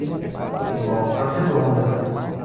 Volta Redonda